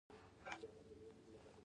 آیا د ملکیت حقوق خوندي دي؟